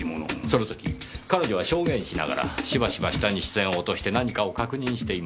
その時彼女は証言しながらしばしば下に視線を落として何かを確認していました。